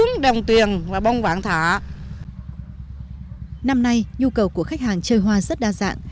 năm nay nhu cầu của khách hàng chơi hoa rất đa dạng